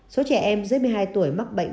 số trẻ em dưới một mươi hai tuổi mắc bệnh